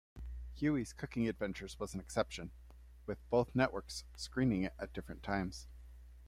Huey's Cooking Adventures was an exception, with both networks screening it at different times.